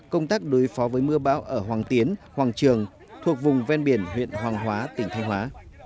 công tác đối phó với mưa bão ở hoàng tiến hoàng trường thuộc vùng ven biển huyện hoàng hóa tỉnh thanh hóa